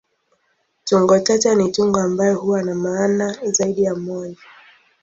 Tungo tata ni tungo ambayo huwa na maana zaidi ya moja.